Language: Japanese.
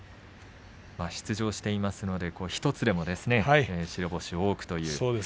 出場していますので１つでも白星を多くという。